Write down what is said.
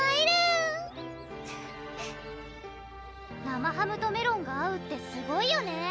生ハムとメロンが合うってすごいよね